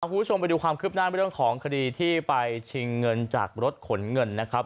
คุณผู้ชมไปดูความคืบหน้าเรื่องของคดีที่ไปชิงเงินจากรถขนเงินนะครับ